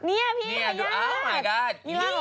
นี่พี่พญาติ